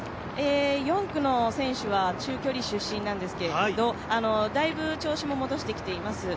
４区の選手は中距離出身なんですけどだいぶ調子も戻してきています。